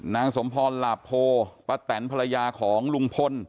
สมพรหลาโพป้าแตนภรรยาของลุงพล